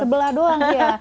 sebelah doang iya